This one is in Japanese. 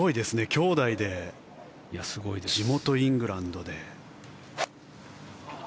兄弟で、地元イングランドで。